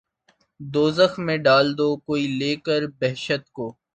دوزخ میں ڈال دو‘ کوئی لے کر بہشت کو